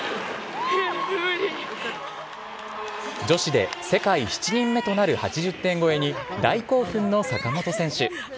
女子で世界７人目となる８０点超えに大興奮の坂本選手。